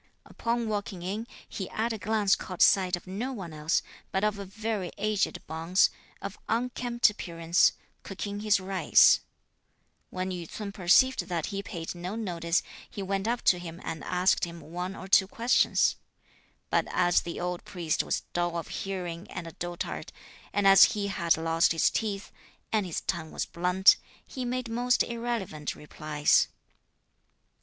Upon walking in, he at a glance caught sight of no one else, but of a very aged bonze, of unkempt appearance, cooking his rice. When Yü ts'un perceived that he paid no notice, he went up to him and asked him one or two questions, but as the old priest was dull of hearing and a dotard, and as he had lost his teeth, and his tongue was blunt, he made most irrelevant replies.